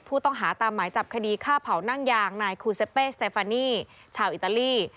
ผู้ต้องหาตามหมายจับคดีฆ่าเผานั่งยางนายคูเซเปสเตฟานีชาวอิตาลี